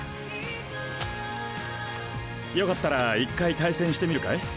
よかったら１回対戦してみるかい？